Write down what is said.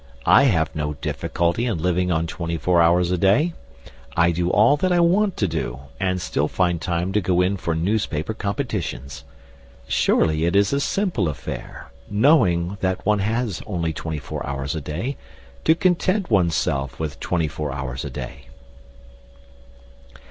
I have no difficulty in living on twenty four hours a day. I do all that I want to do, and still find time to go in for newspaper competitions. Surely it is a simple affair, knowing that one has only twenty four hours a day, to content one's self with twenty four hours a day!"